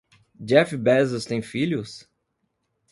Jeff Bezos tem filhos?